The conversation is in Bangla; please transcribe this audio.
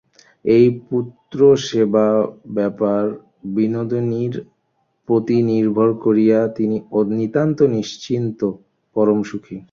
এই পুত্রসেবাব্যাপারে বিনোদিনীর প্রতি নির্ভর করিয়া তিনি নিতান্ত নিশ্চিন্ত, পরম সুখী।